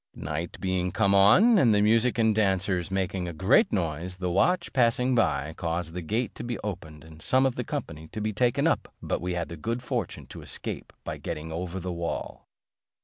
Night being come on, and the music and dancers making a great noise, the watch, passing by, caused the gate to be opened and some of the company to be taken up; but we had the good fortune to escape by getting over the wall.